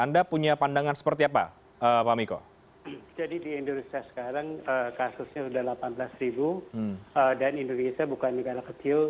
dan indonesia bukan negara kecil